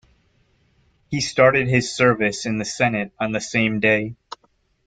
He started his service in the Senate on the same day.